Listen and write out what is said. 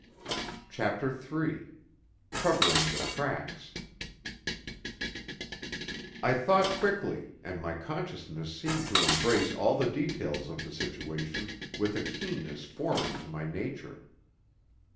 CHAPTER III COVERING THE TRACKS I thought quickly, and my consciousness seemed to embrace all the details of the situation with a keenness foreign to my nature.